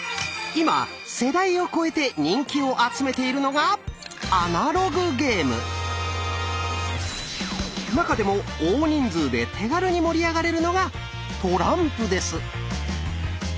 今世代を超えて人気を集めているのが中でも大人数で手軽に盛り上がれるのがトランプです。